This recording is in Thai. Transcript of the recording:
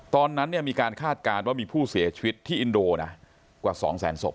ตอนนั้นมีการคาดการณ์ว่ามีผู้เสียชีวิตที่อินโดนะกว่า๒แสนศพ